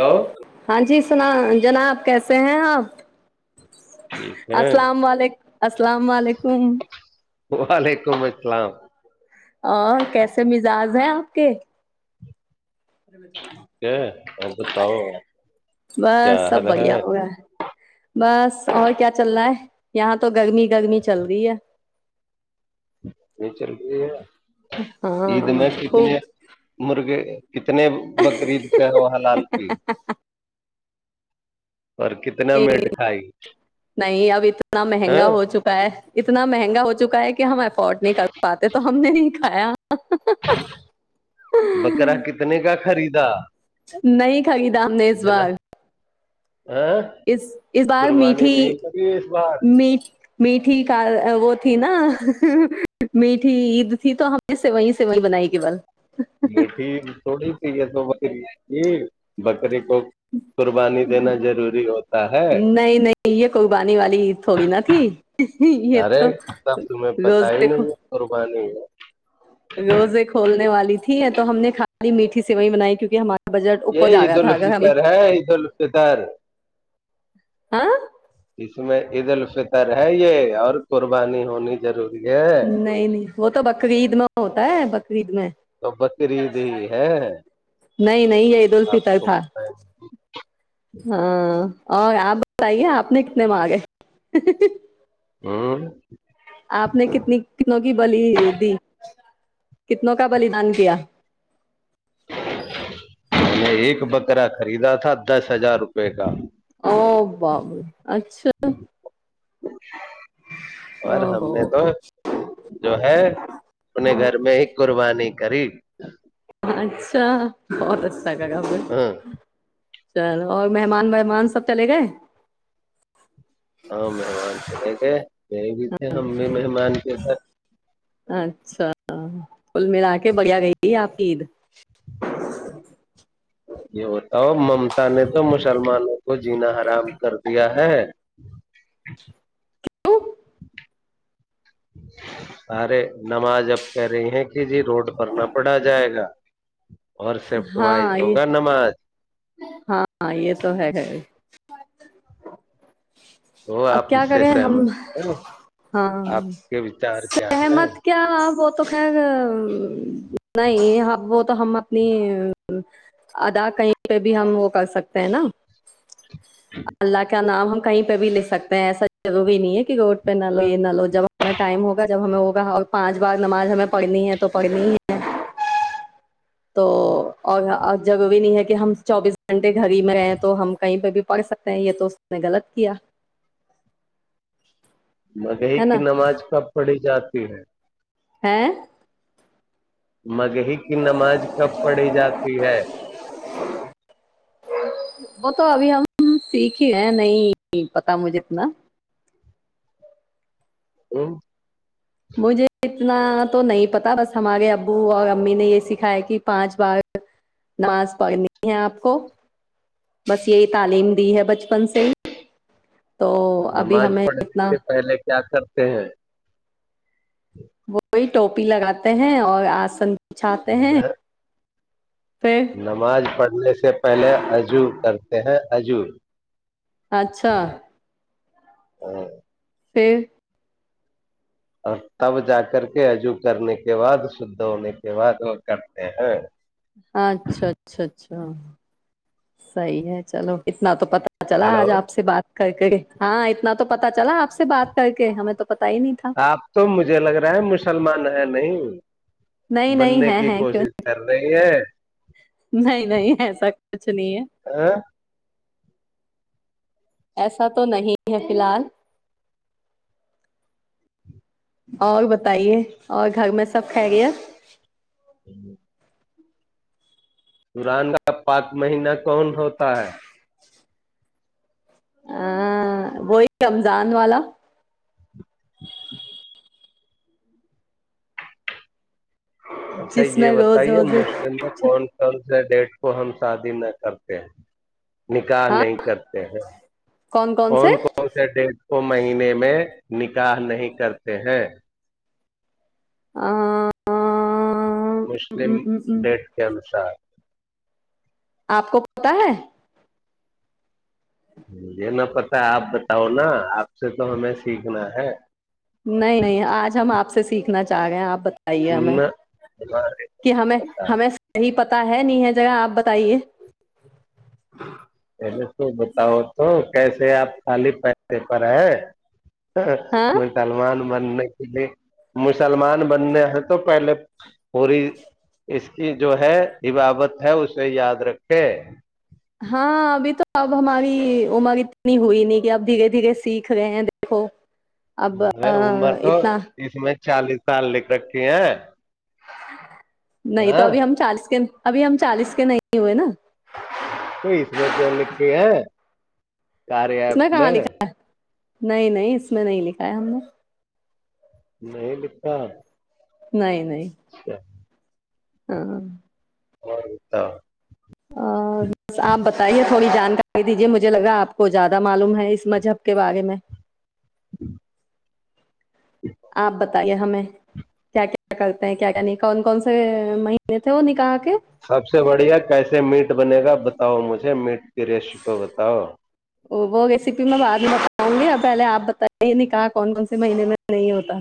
hello ہاں جی سنا [unintelligible] جناب کیسے ہیں آپ [unintelligible] ہاں السلام علیک السلام علیکم [unintelligible] وعلیکم السلام آ کیسے م ا جاز ہیں آپ کے [unintelligible] کیا اور بتاؤ کیا بس سب حال ہے بڑھیا ہوگا بس [unintelligible] اور کیا چل رہا ہے یہاں تو گرمی گرمی چل رہی ہے نچل گ عید ہاں میں کتنے خوب مرغے [unintelligible] کتنے بقریید سے ہو ہ لال کی [unintelligible] اور کتنا نہیں میٹ کھائی نہیں اب اتنا ہاں مہنگا ہو چکا ہے [unintelligible] اتنا مہنگا ہو چکا ہے کہ ہم افورڈ نہیں کر پاتے تو ہم نے نہیں کھایا بکرا کتنے کا خرید [unintelligible] د [unintelligible] نہیں خریدا ہم نے اس بار ہاں اس اس بار قربانی میٹھی نہیں کری اس بار می میٹھی ک وہ تھی نا میٹھی عید تھی تو ہمیں سے وہیں سے وہیں بنائی گی بول [unintelligible] میٹھی تھوڑی ت [unintelligible] یہ ب [unintelligible] کو قربانی دینا ضروری ہوتا ہے نہیں نہیں یہ قربانی والی عید تھوڑی نا تھی یہ ارے تو سب تمہیں پتا ہی روزے نہیں ہے قربانی ہے [unintelligible] ہے تو ہم نے خالی میٹھی سے وہ بنائی کیکہ ہمارے [unintelligible] یہ عید الفطر ہے عید الفطر ہاں میں عید الفطر ہے یہ اور قربانی ہونی ضروری [unintelligible] نہیں نہیں وہ [unintelligible] تو بک گئیید میں [unintelligible] ہوتا ہے بقرید میں تو بقرعید ہی ہے نہیں نہیں یہ عید آپ الفطر کو تھا ہاں [unintelligible] اور آپ بتائیے آپ نے کتنے مانگے ہوں آپ نے کتنی کتوں کی بلی دی کتنوں کا بلیدان کیا میں ایک بکرا خریدا تھا دس ہزار روپے کا او باب اچھا ہ [inaudible] اور او ہم نے ہو تو جو ہے اپنے گھر میں ہی قربانی کررییب اچھا ف کا گب ہاں چل اور مہمان ومان سب چلے گئے ہاں ممان چ کہ گئے بھی تھے ہم بھی مہمان کے سھر اچھا کل ملا کے بڑھیا گئی آپ عید یہ ہوتا ہو ممتا نے تو مسلمانوں کو جینا حرام کر دیا ہے کیوں ارے نماز اب کہہ رہی ہیں کہ جی روڈ پر نہ پڑا جائے گا اور سفٹ وائز ہاں یہ ہوگا نماز ہاں یہ تو ہے ہے تو اب آپ کیا اس سے کریں ہم سہمت ہیں ہاں آپ کے وچار کیا ہے سہمت کیا تو خیر نہیں اب وہ تو ہم اپنی ادا کہیں پہ بھی ہم وہ کر سکتے ہیں نا اللہ کا نام ہم کہیں پہ بھی لکھ سکتے ہیں ایسا ضوری نہیں ہے کہ روڈ پہ نہ لو یہ نہ لو جب ہمیں ٹائم ہوگا جب ہمیں ہوگا پانچ بار نماز ہمیں پڑھنی ہے تو پڑھنی ہی ہے تو اور جگ بھی نہیں ہے کہ ہم چوبیس گھنٹے گھر ہی میں رہئے تو ہم کہیں پہ بھی پڑ سکتے ہیں یہ تو اس نے غلط کیا مگہی ہے نا کی نماز کب پڑی جاتی ہے ہے مگہی کی نماز کب پڑھی جاتی ہے وہ تو ابھی ہم سیکھے ہیں نہیں پتا مجھے اتنا ا [inaudible] مجھے اتنا تو نہیں پتا بس ہمارے ابو اور امی نے یہ سکھایا کہ پانچ بار نماز پڑھنی ہے آپ کو بس یہی تعلیم دی ہے بچپن سے ہی تو ابھی نماز ہمیں پڑھنے اتنا سے پہلے کیا کرتے ہیں وہی ٹوپی لگاتے ہیں اور آسن بھاتے ہیں پھر نماز پڑھنے سے پہلے عجو کر ت اجور اچھا ا سے اور تب جا کر کے عجو کرنے کے بعد شدھ ہونے کے بعد وہ کرتے ہیں صحی ہے چلو کتنا تو پتا چلا ہلو آج آپ سے بات کر کے ہاں اتنا تو پتا چلا آپ سے بات کر کے ہمیں تو پتا ہی نہیں تھا آپ تو مجھے لگ رہا ہے مسلمان ہیں نہیں نہیں نہیں بننے ہے کی ہیں کیوں کوشش کر رہی ہے نہیں نہیں نہیں ایسا کچھ نہیں ہے ا ایسا تو نہیں ہے فی الحال اور بتائیے اور گھر میں سب کھا گیا ہی قران کا پاک مہینہ کون ہوتا ہے ا وہی رمضان والا [inaudible] اچھا جس یہ میں روز بتائیے روز مشکل میں کون کون سے ڈیٹ کو ہم شادی نہ کرتے ہیں نکح ہاں نہیں کرتے ہیں کون کون سے ڈ مہینے میں نکاح نہیں کرتے ہیں آ مسلم ڈیٹ کے انسار آپ کو پتا ہے یہ نہ پتا ہے آپ بتاؤ نا آپ سے تو ہش نہیں نہیں آج ہم آپ سے سیکھنا چاہ رہے ہیں آپ ب ے ہمیں نہ ہمارے کہ ہمیں پتا ہمیں صحی پتا پتا ہے نہیں ہے جگہ آپ بتائیے پے س بتاؤو تو کیسے آپ خالی پیسے پر ہے ہاں م تلوان بننے کے لیے مجھے مسلمان بننے ہیں تو پہلے پوری اس کی جو ہے حبابت ہے اسے یاد رکھے ہاں ابھی تو اب ہماری عمر اتنی ہوئی نہیں کہ اب دھیرے دھیر سیکھ گئے ہیں دیکھو اب عمر تو اتنا اس میں چالیس سال لکھ رکھے ہیں [unintelligible] نہیں تو ہاں ابھی ہم چالیس کے ابھی ہم چالیس کے نہیں ہوئے نا تو اس میں کیوں لکھ کے ہیں کار اس ایپ کہاں میں لکھا نہیں نہیں اس میں نہیں لکھایا ہم نے نہیں لکھتا نہیں نہیں اچھا ہ ہ [unintelligible] ا بس آپ بتائیے تھوڑی جانکاری دیجیے مجھے لگا آپ کو زیادہ معلوم ہے اس مذہب کے بارے میں آپ بتائیے ہمیں کیا کیا کرتے ہیں کیا کیا نہیں کون کون سے مہینے تھے وہ نکاح کے سب سے بڑھیا کیسے میٹ بنے گا بتاؤ مجھے میٹ کی ریسیپی بتاؤ وہ ریسیپی میں بعد میں بکاؤں گی پہلے آپ بت نے کہا کون کون سے مہینے میں نہیں ہوتا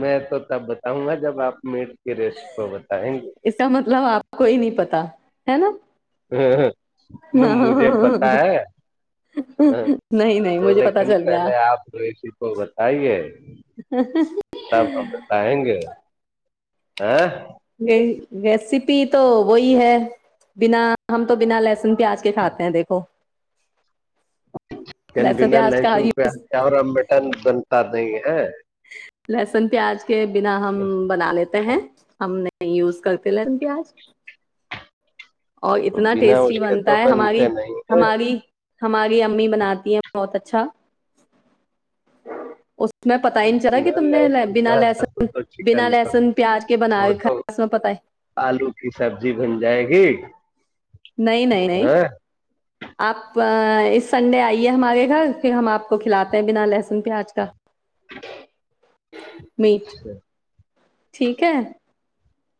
میں تو تب بتاؤں گا جب آپ م اس کا مطلب آپ کوئی نہیں پتا ہے نا [unintelligible] مجھے پتا ہے نہیں نہیں مجھے پتا لیکن چل گیا پہلے آپ توسی کو بتائیے تب ہم بتائیں گے ا [unintelligible] ریسیپی تو وہی ہے بنا ہم تو بنا لہسن پیاز کے کھاتے ہیں دیکھو ن لہسن بنا پیاز کا لسن پہ آ کے اور مٹن بنتا نہیں ہے ہاں [unintelligible] لہسن پیاز کے بنا ہم بنا لیتے ہیں ہم نہیں نہیں یوز کرتے ل پیاز اور اتنا بنا ٹیسٹی اس کے بنتا تو ہے ہماری بنتے نہیں ہے ہماری ہماری امی بناتی ہیں بہت اچھا اس میں پتا ہی نہیں چلا کہ تم ل نے س بنا رہ س لہسن تو چکن بنا پر لہسن پیاز کے بنا وہ کے تو کھایا اس میں پتا ہے آلو کی سبزی بن جائے گی نہیں نہیں نہیں ہاں آپ اس سنڈے آئیے ہمارے گھر پھر ہم آپ کو کھلاتے ہیں بنا لہسن پیاز کا میٹ ٹھیک ہے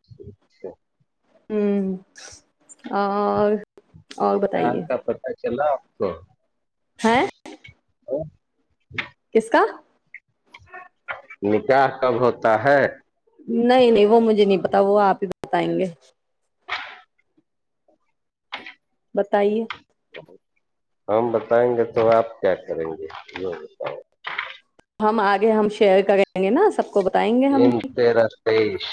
اچھا [unintelligible] [unintelligible] اور بتائیے [unintelligible] [unintelligible] [unintelligible] [unintelligible] نکاح کب ہوتا ہے نہیں نہیں وہ مجھے نہیں پتا ت وہ آپ ہی بتائیں گے بتائیے ہم بتائیں گے تو آپ کیا کریں گے یہ بتاؤ ہم آگے ہم شیئر کریں گے نا سب کو بتائیں گے ہم تین تیرہ تیئیس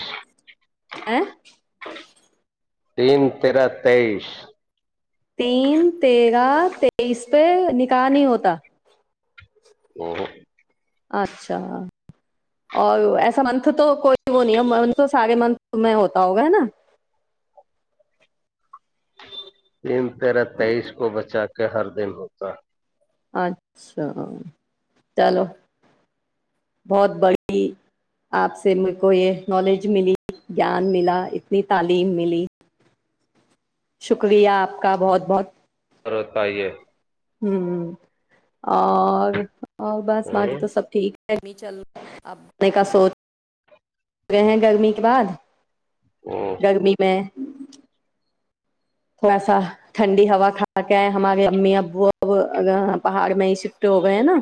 [unintelligible] تین تیرہ تیئس تین تیرہ تئیس پہ نکاح نہیں ہوتا [unintelligible] اچھا اور ایسا منتھ تو کوئی وہ نہیں ہے منت سارے منتھ میں ہوتا ہوگا ہے نا کہ ہر دن ہوتا ہے اچھا چلو بہت بڑی آپ سے میر کو یہ نالج ملی گیان ملا اتنی تعلیم ملی شکریہ آپ کا بہت بہت اور ہوتا ہی ہے [unintelligible] اور اور بس باقی ہ تو سب ٹھیک [unintelligible] رہے ہیں گرمی کے بعد گرمی میں تھوڑا سا ٹھنڈی ہوا کھا کےئے ہمارے امی ابو اب پہاڑ میں ہی شفٹ ہو گئے نا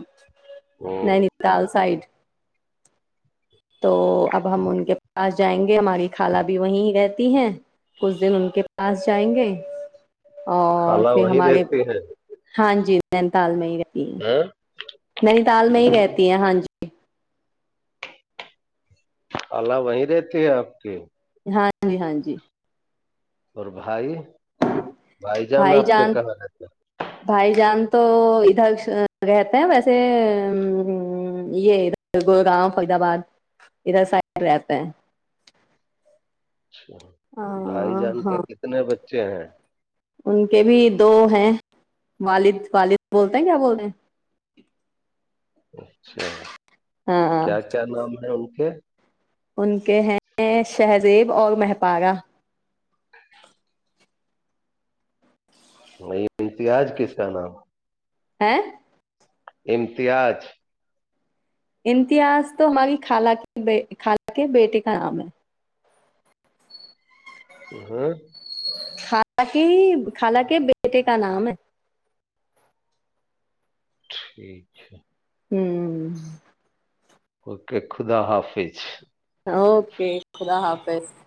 ہ نہیں نہیں تال سائڈ تو اب ہم ان کے پاس جائیں گے ہماری خالہ بھی وہیں رہتی ہیں ک دن ان کے پاس جائیں گے اور خالہ پھر وہیں ہمارے رہتی ہے ہاں جی دینتال میں ہی رہتی ہیں [unintelligible] نینی تال میں ہی رہتی ہیں ہاں جی اللہ وہیں رہتے ہے آپ کے ہاں جی ہاں جی اور بھائی بھائی جان آپ کے کہاں رہتے بھائی جان تو ادھر رہتے ہیں ویسے ا یہ اھر گڑگاں فرید آباد ادھر سائڈ رہتے ہیں اناودیبل ہاں [unintelligible] ان کے بھی دو ہیں والد والد بولتے ہیں کیا بولتے ہیں [unintelligible] ہاں کیا کیا نام ہے ان ک ان کے ہیں شہزیب اور مہپارا نہیں امتیاج کس کا نام ہیں امتیاز امتیاز تو ہماری خالہ کے خالہ کے بیٹے کا نام ہے ہاں خال کے خال کے بیٹے کا نام ہے [unintelligible] [unintelligible] ہوں اوکے خدا حافظ اوکے خدا حافظ [unintelligible]